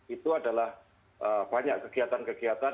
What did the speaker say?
itu adalah banyak kegiatan kegiatan